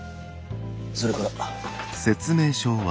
それから。